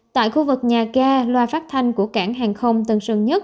tại khu vực nhà ga loa phát thanh của cảng hàng không tân sơn nhất